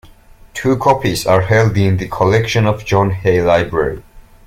Two copies are held in the collections of John Hay Library.